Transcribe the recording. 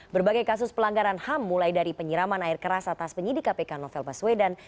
berbagai kasus pelanggaran ham mulai dari penyiraman air keras atas penyidik kpk novel baswedan